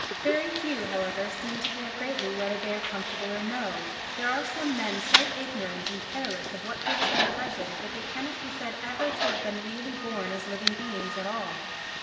Very few, however, seem to care greatly whether they are comfortable or no. There are some men so ignorant and careless of what gives them pleasure that they cannot be said ever to have been really born as living beings at all.